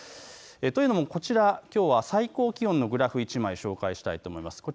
というのもこちら、きょうは最高気温のグラフ１枚紹介したいと思います。